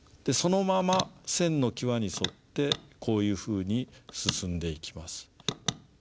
でそのまま線の際に沿ってこういうふうに進んでいきます。